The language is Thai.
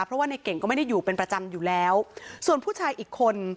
เพราะว่าในเก่งก็ไม่ได้อยู่เป็นประจำอยู่แล้วส่วนผู้ชายอีกคน